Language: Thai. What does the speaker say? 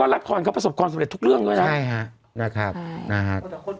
ก็ละครก็ประสบความสำเร็จทุกเรื่องด้วยนะใช่ฮะนะครับนะครับแต่คน